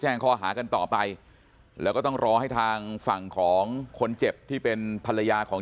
จังหวะนั้นได้ยินเสียงปืนรัวขึ้นหลายนัดเลย